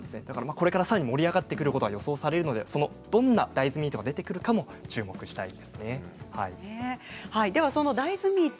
これからさらに盛り上がってくることが予想されるのでどんな大豆ミートが出てくるかもその大豆ミート